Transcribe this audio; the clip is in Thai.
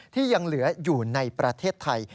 ที่ยังเหลืออยู่ในประเทศไทย